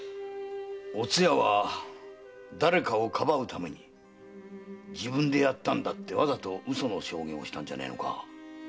おつやは誰かをかばうために「自分でやったんだ」ってわざと嘘の証言をしたんじゃねえのか？